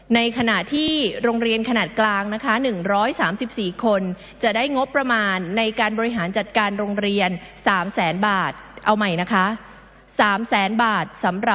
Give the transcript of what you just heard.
ในขณะที่โรงเรียนขนาดกลางนะคะ๑๓๔คนจะได้งบประมาณในการบริหารจัดการโรงเรียน๓แสนบาทเอาใหม่นะคะ